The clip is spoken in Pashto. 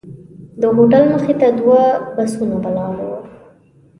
د هوټل مخې ته دوه بسونه ولاړ وو.